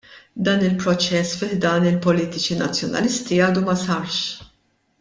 Dan il-proċess fi ħdan il-politiċi Nazzjonalisti għadu ma sarx.